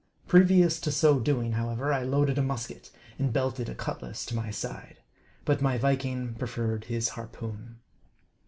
Previous to so doing, however, I loaded a mus ket, and belted a cutlass to my side. But my Viking pre ferred his harpoon.